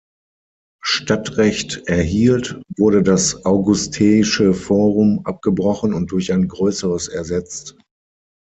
Stadtrecht erhielt, wurde das augusteische Forum abgebrochen und durch ein größeres ersetzt.